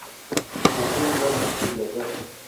Nació en Bordón, Inglaterra.